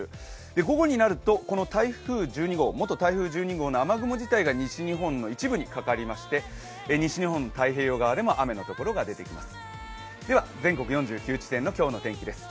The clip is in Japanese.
午後になると、この元台風１２号の雨雲自体が西日本の一部にかかりまして西日本、太平洋側で雨のところが出てきます。